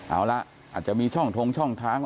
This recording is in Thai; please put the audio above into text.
เอาล่ะอาจจะมีช่องท้องช่องท้าง